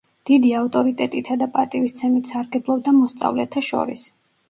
დიდი ავტორიტეტითა და პატივისცემით სარგებლობდა მოსწავლეთა შორის.